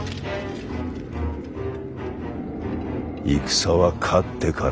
戦は勝ってから。